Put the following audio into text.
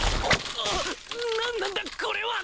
何なんだこれは！